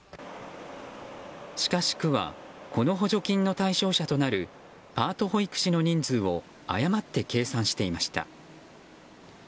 しかし、区はこの補助金の対象者となるパート保育士の人数を誤って計算していました。